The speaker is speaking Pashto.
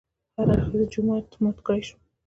هر اړخیز جمود مات کړای شو.